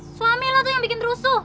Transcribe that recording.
suami lah tuh yang bikin rusuh